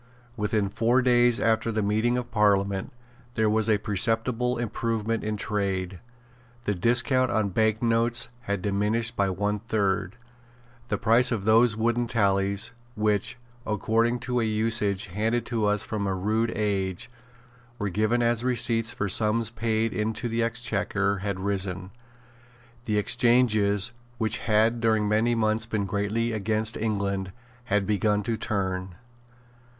Within four days after the meeting of Parliament there was a perceptible improvement in trade. The discount on bank notes had diminished by one third. The price of those wooden tallies, which, according to an usage handed to us from a rude age, were given as receipts for sums paid into the Exchequer, had risen. The exchanges, which had during many months been greatly against England, had begun to turn.